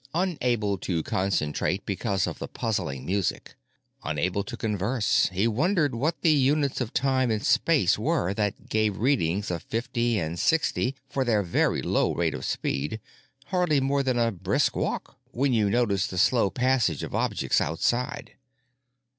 Unable to concentrate because of the puzzling music, unable to converse, he wondered what the units of time and space were that gave readings of fifty and sixty for their very low rate of speed—hardly more than a brisk walk, when you noticed the slow passage of objects outside.